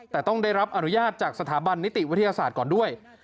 แต่ต้องได้รับอนุญาตจากสถาบันนิติวิทยาศาสตร์ก่อนด้วย